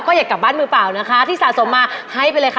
ก็อยากกลับบ้านมือเปล่านะคะที่สะสมมาให้ไปเลยค่ะ